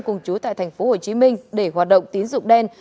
cùng chú tại tp hcm để hoạt động tín dụng đen